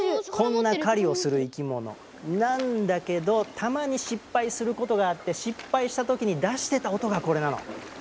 こんな狩りをする生き物なんだけどたまに失敗することがあって失敗した時に出してた音がこれなの。